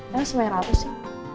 yang semuanya ratus ya